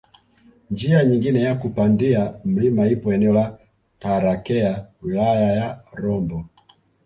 Njia nyingine ya kupandia mlima ipo eneo la Tarakea wilaya ya Rombo